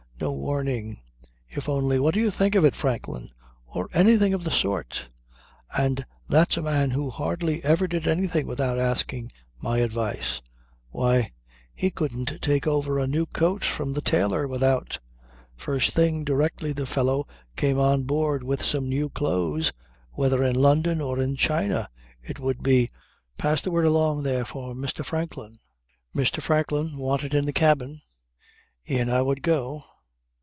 No warning. If only: 'What do you think of it, Franklin?' or anything of the sort. And that's a man who hardly ever did anything without asking my advice. Why! He couldn't take over a new coat from the tailor without ... first thing, directly the fellow came on board with some new clothes, whether in London or in China, it would be: 'Pass the word along there for Mr. Franklin. Mr. Franklin wanted in the cabin.' In I would go.